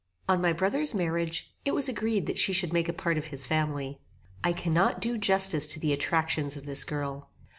On my brother's marriage, it was agreed that she should make a part of his family. I cannot do justice to the attractions of this girl.